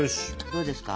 どうですか？